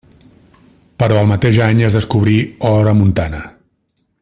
Però el mateix any es descobrí or a Montana.